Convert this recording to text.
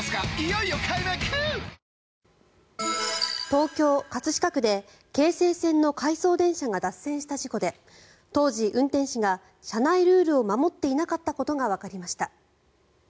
東京・葛飾区で京成線の回送電車が脱線した事故で当時、運転士が社内ルールを守っていなかったことがわかりました。